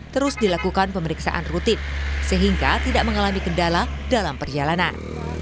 terus dilakukan pemeriksaan rutin sehingga tidak mengalami kendala dalam perjalanan